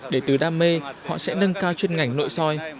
để từ đam mê họ sẽ nâng cao chuyên ngành nội soi